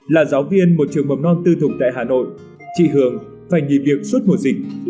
là giáo viên một trường mầm non tư thục tại hà nội chị hường phải nghỉ việc suốt mùa dịch